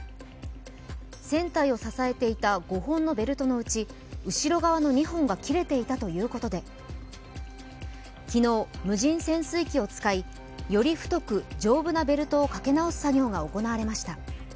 船体を支えていた５本のベルトのうち、後ろの２本が切れていたということで昨日、無人潜水機を使いより太く丈夫なベルトをかけ直す作業が行われました。